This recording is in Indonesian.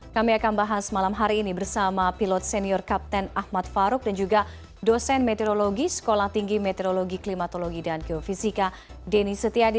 kami akan bahas malam hari ini bersama pilot senior kapten ahmad farouk dan juga dosen meteorologi sekolah tinggi meteorologi klimatologi dan geofisika denny setiadi